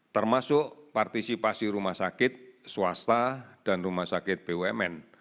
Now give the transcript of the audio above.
termasuk partisipasi rumah sakit swasta dan rumah sakit bumn